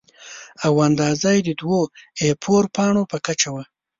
او اندازه یې د دوو اې فور پاڼو په کچه ده.